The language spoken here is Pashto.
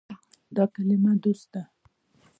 دا کلمه “دوست” ده.